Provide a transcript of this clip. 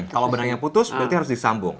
kalau benangnya putus berarti harus disambung